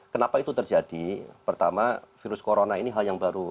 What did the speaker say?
kenapa itu terjadi pertama virus corona ini hal yang baru